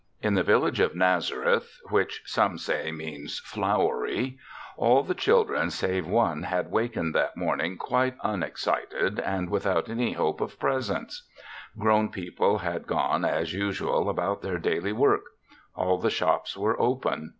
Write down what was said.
In the village of Nazareth, which some say means " Flowery," all the children save one had wak ened that morning quite unexcited and without any hope of presents. Grown people had gone as usual about their daily work. All the shops were open.